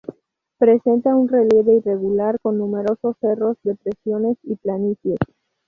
Presenta un relieve irregular, con numerosos cerros, depresiones y planicies.